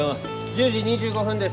１０時２５分です。